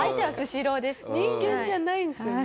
人間じゃないんですよね。